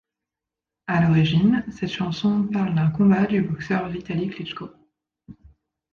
À l'origine, cette chanson parle d'un combat du boxeur Vitali Klitchko.